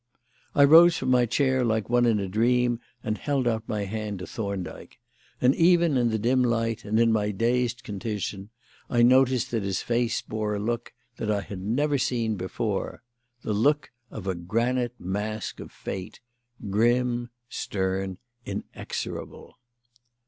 I rose from my chair like one in a dream and held out my hand to Thorndyke; and even in the dim light and in my dazed condition I noticed that his face bore a look that I had never seen before: the look of a granite mask of Fate grim, stern, inexorable.